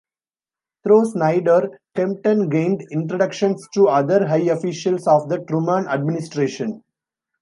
Through Snyder, Kempton gained introductions to other high officials of the Truman administration.